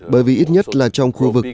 bởi vì ít nhất là trong khu vực